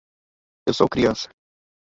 Eu sou criança